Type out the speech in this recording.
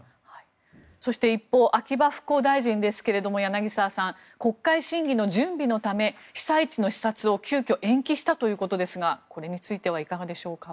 そして、一方秋葉復興大臣ですが柳澤さん、国会審議の準備のため被災地の視察を急きょ延期したということですがこれについてはいかがでしょうか。